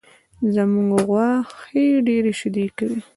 زمونږ غوا ښې ډېرې شیدې کوي